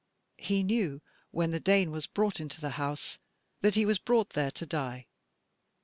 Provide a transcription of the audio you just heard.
He knew when the Dane was brought into the house that he was brought there to die.